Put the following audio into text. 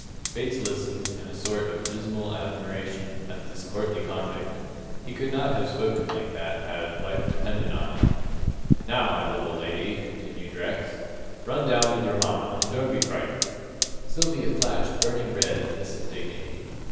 Bates listened, in a sort of dismal admiration, at this courtly convict. He could not have spoken like that had life depended on it. "Now, my little lady," continued Rex, "run down with your mamma, and don't be frightened." Sylvia flashed burning red at this indignity.